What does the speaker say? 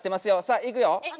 さあいくよ！